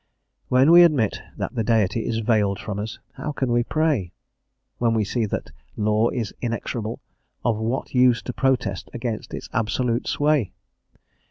_" When we admit that the Deity is veiled from us, how can we pray? When we see that that law is inexorable, of what use to protest against its absolute sway?